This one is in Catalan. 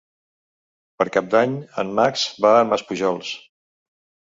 Per Cap d'Any en Max va a Maspujols.